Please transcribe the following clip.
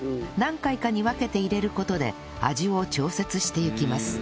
何回かに分けて入れる事で味を調節していきます